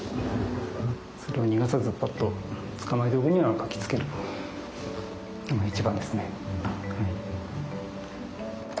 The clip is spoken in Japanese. それを逃がさずぱっと捕まえておくには書きつけるのが一番ですね。